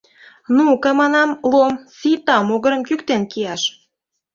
— Ну-ка, — манам, — Лом, сита могырым кӱктен кияш.